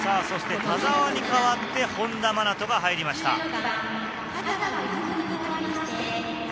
そして田澤に代わって本田真斗が入りました。